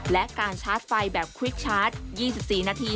และการชาร์จไฟแบบควิดชาร์จ๒๔นาที